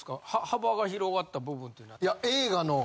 幅が広がった部分っていうのは。